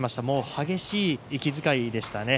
激しい息遣いでした。